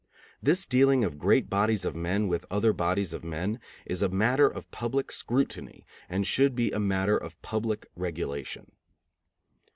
This dealing of great bodies of men with other bodies of men is a matter of public scrutiny, and should be a matter of public regulation.